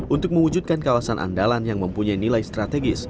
untuk mewujudkan kawasan andalan yang mempunyai nilai strategis